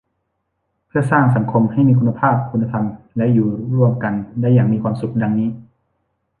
เพื่อสร้างสังคมให้มีคุณภาพ คุณธรรม และอยู่ร่วมกันได้อย่างมีความสุข ดังนี้